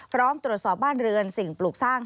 พร้อมตรวจสอบบ้านเรือนสิ่งปลูกสร้าง